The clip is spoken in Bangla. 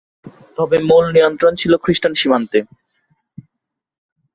তবে মূল নিয়ন্ত্রণ ছিল খ্রিষ্টান সীমান্তে।